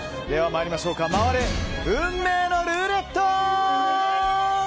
回れ、運命のルーレット！